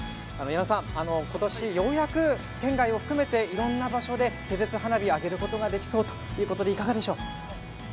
矢野さん、今年ようやく県外を含めていろんな場所で手筒花火を揚げることができそうということでいかがでしょう？